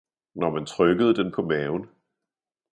når man trykkede den på maven.